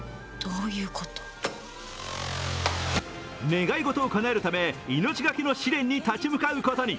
願い事をかなえるため、命がけの試練に立ち向かうことに。